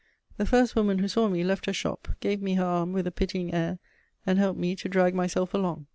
The first woman who saw me left her shop, gave me her arm with a pitying air, and helped me to drag myself along.